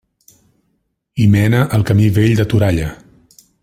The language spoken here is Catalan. Hi mena el Camí Vell de Toralla.